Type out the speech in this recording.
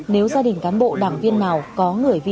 nếu gia đình cán bộ đảng viên nào có người phụ trách